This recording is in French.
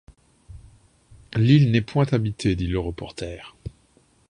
L’île n’est point habitée, dit le reporter